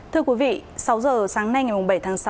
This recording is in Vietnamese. thưa quý vị sáu giờ sáng nay ngày bảy tháng sáu